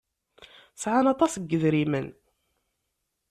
Sɛan aṭas n yedrimen.